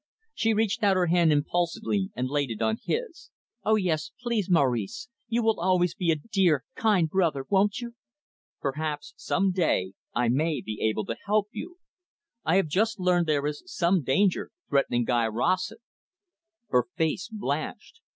She reached out her hand impulsively and laid it on his. "Oh, yes, please, Maurice. You will always be a dear, kind brother, won't you?" "Perhaps some day I may be able to help you. I have just learned there is some danger threatening Guy Rossett." Her face blanched.